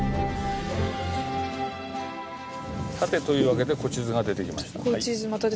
さてというわけで古地図が出てきました。